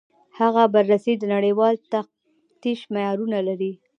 هغه بررسي د نړیوال تفتیش معیارونه لري.